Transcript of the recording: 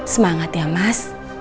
semangat ya mas